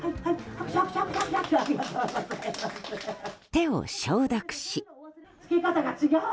手を消毒し。